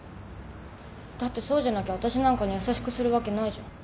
だってそうじゃなきゃわたしなんかに優しくするわけないじゃん。